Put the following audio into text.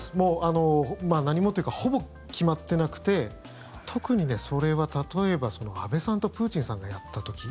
何もというかほぼ決まってなくて特にそれは例えば安倍さんとプーチンさんがやった時。